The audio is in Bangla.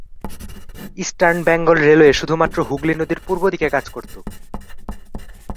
ইস্টার্ন বেঙ্গল রেলওয়ে শুধুমাত্র হুগলি নদীর পূর্ব দিকে কাজ করত।